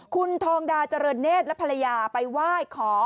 คุณทองดาเจริญเนธและภรรยาไปไหว้ขอ